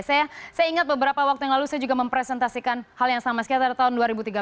saya ingat beberapa waktu yang lalu saya juga mempresentasikan hal yang sama sekitar tahun dua ribu tiga belas